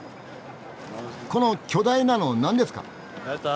この巨大なの何ですか？